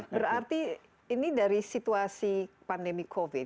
berarti ini dari situasi pandemi covid